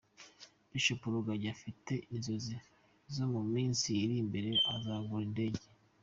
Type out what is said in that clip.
Bishop Rugagi afite inzozi ko mu minsi iri imbere azagura indege.